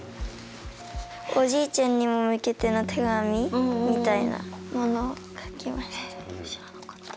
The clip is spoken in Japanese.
おじいちゃんに向けての手紙みたいなものを書きました。